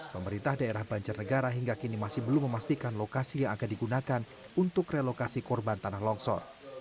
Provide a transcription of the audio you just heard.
pemerintah daerah banjarnegara hingga kini masih belum memastikan lokasi yang akan digunakan untuk relokasi korban tanah longsor